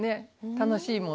楽しいもの。